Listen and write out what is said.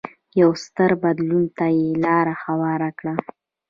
یو ستر بدلون ته یې لار هواره کړه.